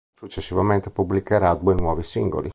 Successivamente pubblicherà due nuovi singoli.